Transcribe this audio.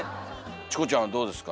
チコちゃんはどうですか？